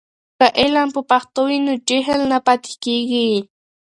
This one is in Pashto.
که علم په پښتو وي نو جهل نه پاتې کېږي.